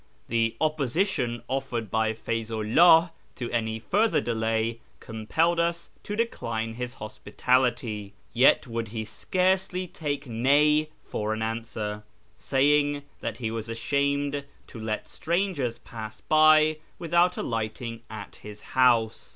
The opposition offered by Feyzu 'llah to any further delay compelled us to decline his hospitality ; yet would he scarcely take nay for an answer, saying that he was ashamed to let strangers pass by without alighting at his house.